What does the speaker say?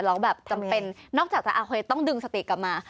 เราแบบจำเป็นนอกจากจะเอาเคล็ดต้องดึงสติกกลับมา